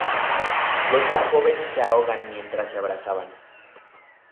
Los dos jóvenes se ahogan mientras se abrazan.